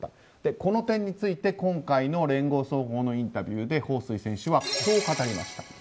この点について今回の聯合早報のインタビューでホウ・スイ選手はこう語りました。